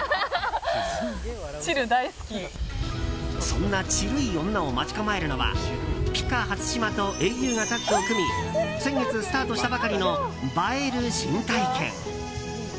そんなチルい女を待ち構えるのはＰＩＣＡ初島とａｕがタッグを組み先月スタートしたばかりの映える新体験。